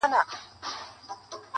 زه پوهېږم په دوږخ کي صوبه دار دئ!.